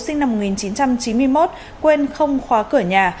sinh năm một nghìn chín trăm chín mươi một quên không khóa cửa nhà